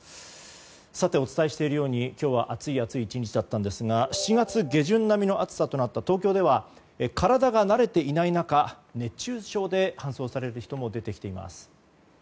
さて、お伝えしているように今日は暑い暑い１日でしたが７月下旬並みの暑さとなった東京では体が慣れていない中熱中症で搬送される人も出てきています。